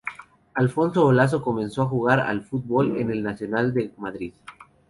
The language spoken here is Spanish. Alfonso Olaso comenzó a jugar al fútbol en el Nacional de Madrid.